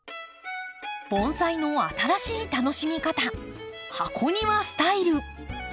盆栽の新しい楽しみ方箱庭スタイル。